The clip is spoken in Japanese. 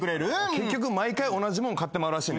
結局毎回同じもん買ってまうらしいねんな。